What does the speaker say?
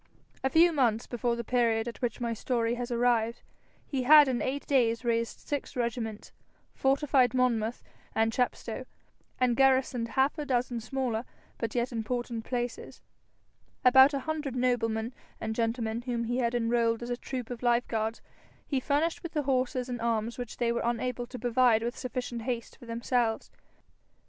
A few months before the period at which my story has arrived, he had in eight days raised six regiments, fortified Monmouth and Chepstow, and garrisoned half a dozen smaller but yet important places. About a hundred noblemen and gentlemen whom he had enrolled as a troop of life guards, he furnished with the horses and arms which they were unable to provide with sufficient haste for themselves.